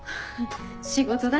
仕事だし。